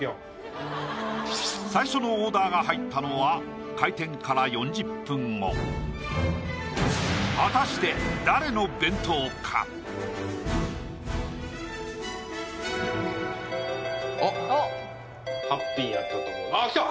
最初のオーダーが入ったのは開店から４０分後果たしてハッピーやったと思うあっ来た！